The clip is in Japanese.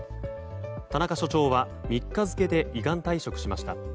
田中署長は３日付で依願退職しました。